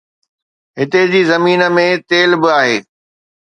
هتي جي زمين ۾ تيل به آهي